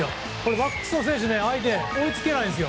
バックスの選手、相手追いつけないんですよ。